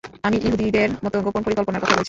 আমি ইহুদীদের মত গোপন পরিকল্পনার কথা বলছি।